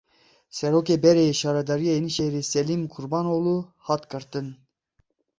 Serokê berê yê Şaredariya Yenîşehîrê Selim Kurbanoglu hat girtin.